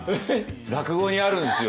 落語にあるんですよ。